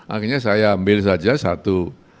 akhirnya saya ambil saja satu